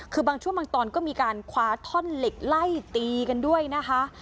คือบางช่วงบางตอนก็มีการคว้าท่อนเหล็กไล่ตีกันด้วยนะคะ